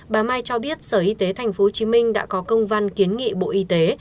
bà mai cho biết sở y tế tp hcm đã có công văn kiến nghị bộ y tế